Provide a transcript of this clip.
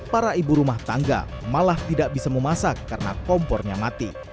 para ibu rumah tangga malah tidak bisa memasak karena kompornya mati